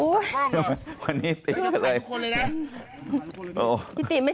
วันนี้ติแบบนี่เลย